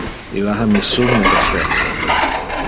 Illa ha mi summe respecto.